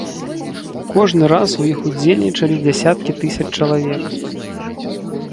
Кожны раз у іх удзельнічалі дзясяткі тысяч чалавек.